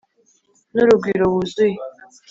n’urugwiro wuzuye,